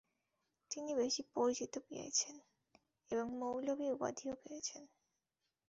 তিনি বেশি পরিচিতি পেয়েছেন এবং 'মৌলভী' উপাধিও পেয়েছেন।